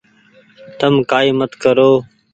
تم ڪآئي مت ڪرو ۔